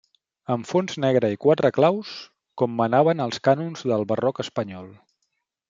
Amb fons negre i quatre claus, com manaven els cànons del barroc espanyol.